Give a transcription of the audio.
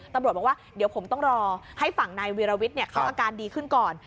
ตำรวจบอกว่าเดี๋ยวผมต้องรอให้ฝั่งนายวีรวิทย์เขาอาการดีขึ้นก่อน